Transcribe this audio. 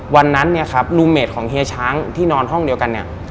วันนั้นเนี่ยครับลูเมดของเฮียช้างที่นอนห้องเดียวกันเนี่ย